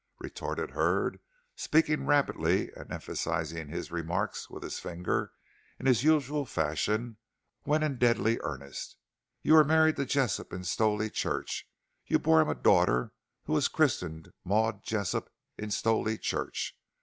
retorted Hurd, speaking rapidly and emphasizing his remarks with his finger in his usual fashion when in deadly earnest. "You were married to Jessop in Stowley Church; you bore him a daughter who was christened Maud Jessop in Stowley Church.